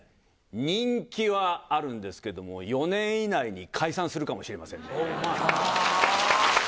人気はあるんですけども、４年以内に解散するかもしれませんね。